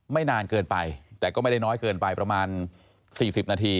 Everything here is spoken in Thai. นานเกินไปแต่ก็ไม่ได้น้อยเกินไปประมาณ๔๐นาที